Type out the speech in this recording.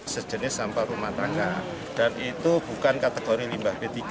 sejenis sampah rumah tangga dan itu bukan kategori limbah b tiga